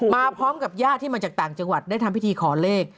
พร้อมกับญาติที่มาจากต่างจังหวัดได้ทำพิธีขอเลข